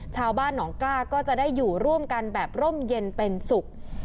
ชาวบ้านหนองกล้าก็จะได้อยู่ร่วมกันแบบร่มเย็นเป็นสุข